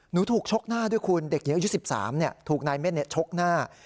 หนูถูกชกหน้าด้วยคุณเด็กนี้อายุ๑๓เนี่ยถูกนายเม่นเนี่ยชกหน้า